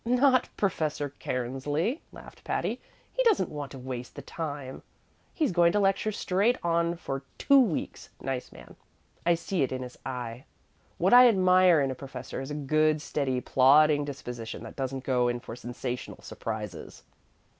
"Not Professor Cairnsley," laughed Patty. "He doesn't want to waste the time. He's going to lecture straight on for two weeks nice man; I see it in his eye. What I admire in a professor is a good, steady, plodding disposition that doesn't go in for sensational surprises."